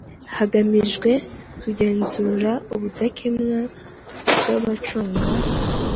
Hagamijwe kugenzura ubudakemwa bw abacunga